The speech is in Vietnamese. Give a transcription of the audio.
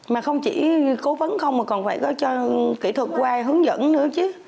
mà không chỉ cố vấn không mà còn phải có cho kỹ thuật qua hướng dẫn nữa chứ